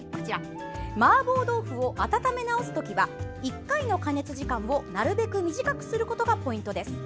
マーボー豆腐を温め直す時は１回の加熱時間をなるべく短くすることがポイントです。